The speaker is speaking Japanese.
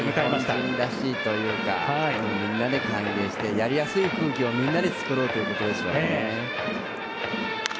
日本人らしいというかみんなで歓迎してやりやすい空気をみんなで作ろうということでしょうね。